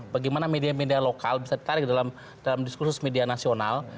bagaimana media media lokal bisa ditarik dalam diskursus media nasional